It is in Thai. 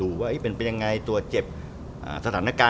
คุณสมัครอ๋อ